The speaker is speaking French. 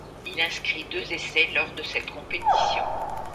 Il inscrit deux essais lors de cette compétition.